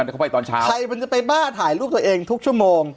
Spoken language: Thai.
ใครมันจะไปบ้าถ่ายลูกตัวเองทุกชั่วโมง